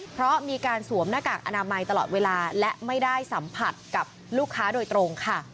เพราะมีการสวมหน้ากากอนามัยตลอดเวลาและไม่ได้สัมผัสกับลูกค้าโดยตรงค่ะ